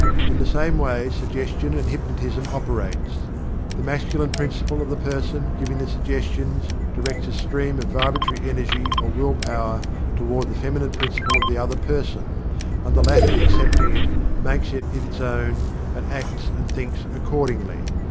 In the same way Suggestion and Hypnotism operates. The Masculine Principle of the person giving the suggestions directs a stream of Vibratory Energy or Will Power toward the Feminine Principle of the other person, and the latter accepting it makes it its own and acts and thinks accordingly.